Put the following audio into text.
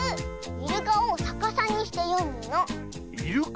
イルカをさかさにしてよむ。